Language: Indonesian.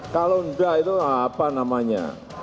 kalau enggak itu apa namanya